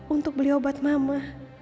untuk beli obat mama